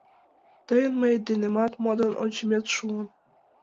Тыйын мый денемат модын ончымет шуын.